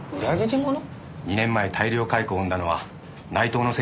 ２年前大量解雇を生んだのは内藤の責任です。